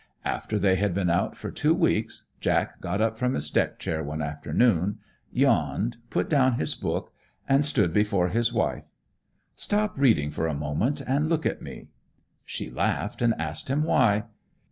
After they had been out for two weeks, Jack got up from his deck chair one afternoon, yawned, put down his book, and stood before his wife. 'Stop reading for a moment and look at me.' She laughed and asked him why.